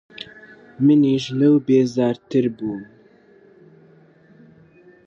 منیش لەو بێزارتر بووم.